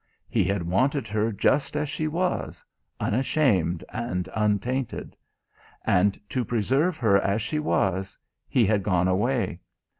He had wanted her just as she was, unashamed and untainted. And to preserve her as she was he had gone away.